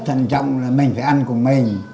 trân trọng là mình phải ăn cùng mình